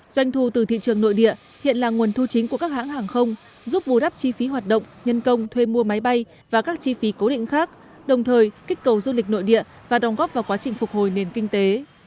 doanh thu từ thị trường nội địa hiện là nguồn thu chính của các hãng hàng không giúp bù đắp chi phí hoạt động nhân công thuê mua máy bay và các chi phí cố định khác đồng thời kích cầu du lịch nội địa và đồng góp vào quá trình phục hồi nền kinh tế